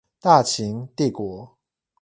大秦帝國